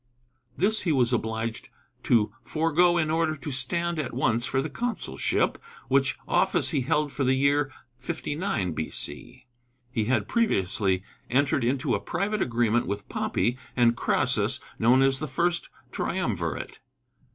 This he was obliged to forego in order to stand at once for the consulship, which office he held for the year 59 B.C. He had previously entered into a private agreement with Pompey and Crassus, known as the First Triumvirate.